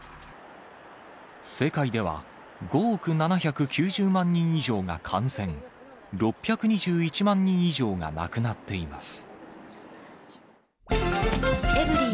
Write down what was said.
世界では５億７９０万人以上が感染、６２１万人以上が亡くなっています。